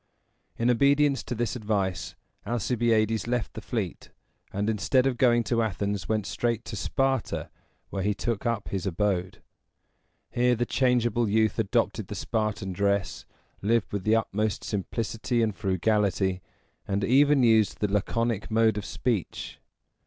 In obedience to this advice, Alcibiades left the fleet, and, instead of going to Athens, went straight to Sparta, where he took up his abode. Here the changeable youth adopted the Spartan dress, lived with the utmost simplicity and frugality, and even used the laconic mode of speech.